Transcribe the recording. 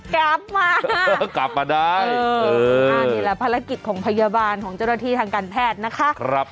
กลับมากลับมาได้นี่แหละภารกิจของพยาบาลของเจ้าหน้าที่ทางการแพทย์นะคะ